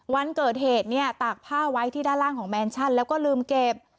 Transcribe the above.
วันเกิดเหตุเนี่ยตากผ้าไว้ที่ด้านล่างของแมนชั่นแล้วก็ลืมเก็บ